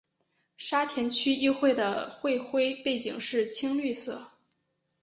沙田区议会的会徽背景是青绿色。